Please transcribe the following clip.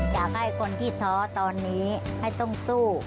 อยากให้คนที่ท้อตอนนี้ให้ต้องสู้